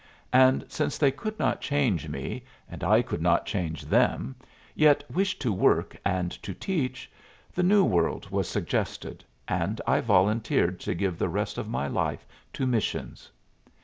And since they could not change me and I could not change them, yet wished to work and to teach, the New World was suggested, and I volunteered to give the rest of my life to missions.